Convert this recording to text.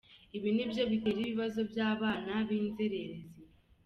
Ibi nibyo bitera ibibazo by’abana b’inzererezi.